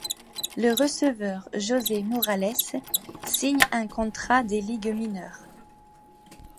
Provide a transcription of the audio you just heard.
Le receveur José Morales signe un contrat des ligues mineures.